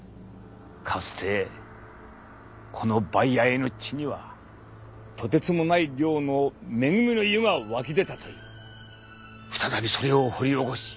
かつてこのバイアエの地にはとてつもない量の恵みの湯が湧き出たという再びそれを掘り起こし